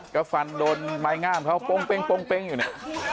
ก็ฟันโดนไม้งามเขาโป้งเป้งโป้งเป้งอยู่เนี่ย